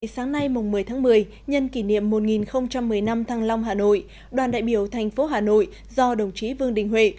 sáng nay một mươi tháng một mươi nhân kỷ niệm một nghìn một mươi năm thăng long hà nội đoàn đại biểu thành phố hà nội do đồng chí vương đình huệ